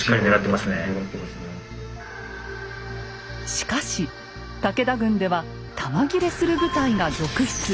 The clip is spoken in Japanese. しかし武田軍では弾切れする部隊が続出。